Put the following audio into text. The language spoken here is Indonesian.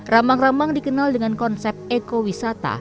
rambang rambang dikenal dengan konsep ekowisata